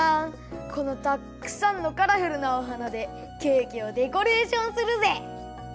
このたっくさんのカラフルなお花でケーキをデコレーションするぜ！